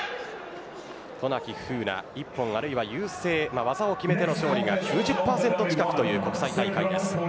渡名喜風南一本あるいは優勢技を決めての勝利が９０％近くという国際大会です。